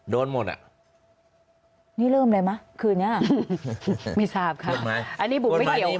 โดนหมดอ่ะนี่เริ่มเลยมั้ยคืนนี้อ่ะไม่ทราบค่ะอันนี้บุงไม่เดียวค่ะ